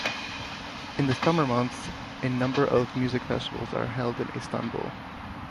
In the summer months, a number of music festivals are held in Istanbul.